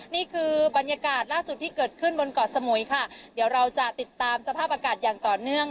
นี่คือบรรยากาศล่าสุดที่เกิดขึ้นบนเกาะสมุยค่ะเดี๋ยวเราจะติดตามสภาพอากาศอย่างต่อเนื่อง